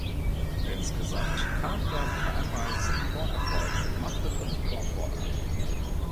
Insgesamt kam er dreimal zum Torerfolg und machte fünf Torvorlagen.